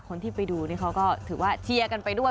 คนที่ไปดูนี่เขาก็ถือว่าเชียร์กันไปด้วย